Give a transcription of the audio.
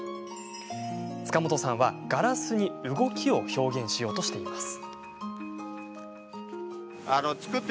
塚本さんはガラスに動きを表現しようとしています。